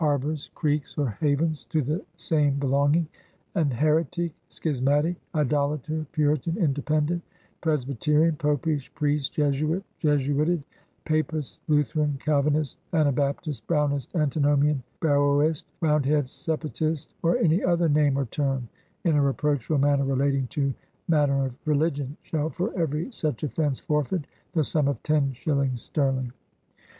CHURCH AND KINGDOM 147 borsy Creeks or Havens to the same belonging, an heritick, Scismatick, Idolator, puritan, Independant, Presbiterian, popish priest, Jesuite, Jesuited papist, Lu theran, Calvenist, Anabaptist, Brownist, Antinomian, Barrowist, Roundhead, Sepatist, or any other name or term in a reproachful manner relating to matter of Religion, shall for every such OflFence forfeit ... the sum of tenne shillings sterling.